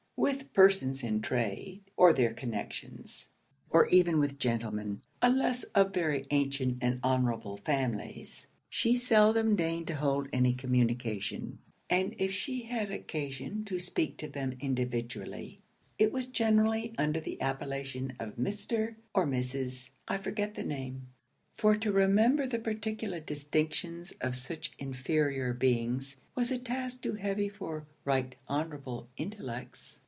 With persons in trade, or their connections, or even with gentlemen, unless of very ancient and honourable families, she seldom deigned to hold any communication; and if she had occasion to speak to them individually, it was generally under the appellation of 'Mr. or Mrs. I forget the name;' for to remember the particular distinctions of such inferior beings, was a task too heavy for Right Honourable intellects.